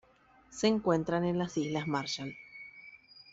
Se encuentran en las islas Marshall.